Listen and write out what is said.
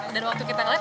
dan waktu kita lihat